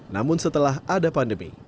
namun setelah ada pandemi